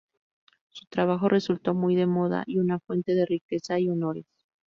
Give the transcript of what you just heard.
Su trabajo resultó muy de moda, y una fuente de riqueza y honores.